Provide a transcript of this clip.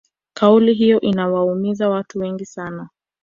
kauli hiyo iliwaumiza watu wengi sana